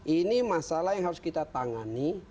ini masalah yang harus kita tangani